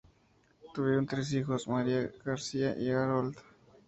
Tuvieron tres hijos, María, Gracia, y Harold.